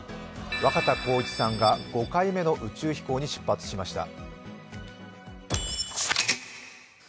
若田光一さんが５回目の宇宙飛行に出発しました。